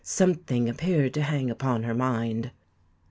Something appeared to hang upon her mind.'"